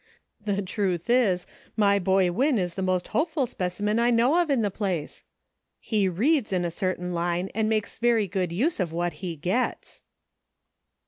The truth is, my boy Win is the most hopeful specimen I know of in the place ; he reads in a certain line and makes very good use of what he gets."